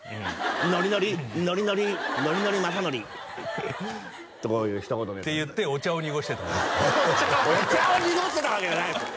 ノリノリノリノリノリノリ雅紀！とこういうひと言って言ってお茶を濁してたわけじゃないですよ！